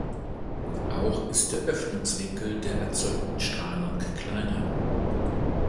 Auch ist der Öffnungswinkel der erzeugten Strahlung kleiner.